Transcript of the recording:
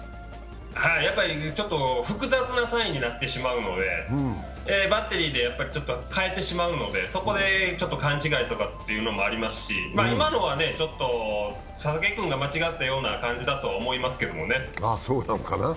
ちょっと複雑なサインになってしまうのでバッテリーで変えてしまうので、そこでちょっと勘違いとかというのもありますし、今のはちょっと佐々木君が間違ったような感じだと思いますけどね。